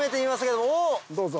どうぞ。